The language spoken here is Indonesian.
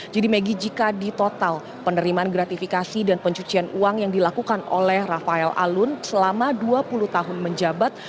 jadi maggie jika di total penerimaan gratifikasi dan pencucian uang yang dilakukan oleh rafael alun selama dua puluh tahun menjabat